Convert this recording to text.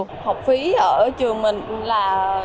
mức học phí ở trường mình là